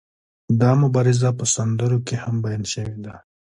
دا مبارزه په سندرو کې هم بیان شوې ده.